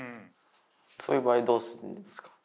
そういう場合どうするんですか？